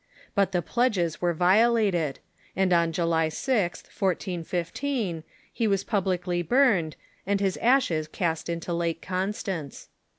But the pledges were violated, and on July 0th, 1415, he Avas publicly burned, and his ashes cast into Lake Constance.